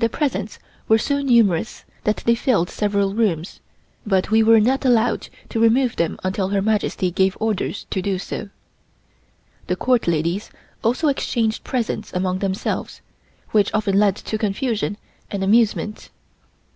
The presents were so numerous that they filled several rooms, but we were not allowed to remove them until Her Majesty gave orders to do so. The Court ladies also exchanged presents among themselves, which often led to confusion and amusement.